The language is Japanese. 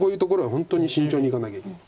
本当に慎重にいかなきゃいけない。